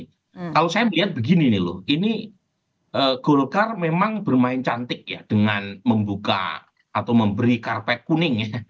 kalau saya melihat begini nih loh ini golkar memang bermain cantik ya dengan membuka atau memberi karpet kuning ya